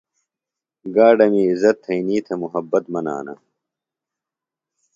گاڈہ می عزت تھئینی تھےۡ محبت منانہ۔